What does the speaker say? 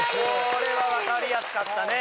これはわかりやすかったね